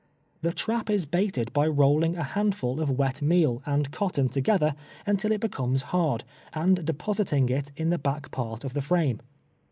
The trap is baited by rolling a handful of wet meal and cotton together until it becomes hard, and depositing it in the back part of the frame.